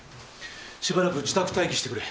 しばらく自宅待機してくれ。